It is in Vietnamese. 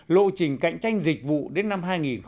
lộ trình cạnh tranh dịch vụ đến năm hai nghìn hai mươi